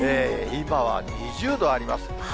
今は２０度あります。